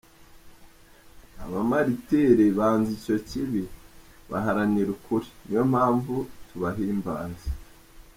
Abamaritiri banze icyo kibi, baharanira ukuri, niyo mpamvu tubahimbaza».